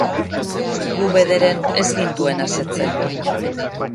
Gu, bederen, ez gintuen asetzen.